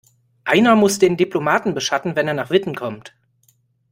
Einer muss den Diplomaten beschatten, wenn er nach Witten kommt.